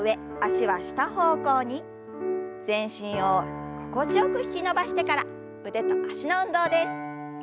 全身を心地よく引き伸ばしてから腕と脚の運動です。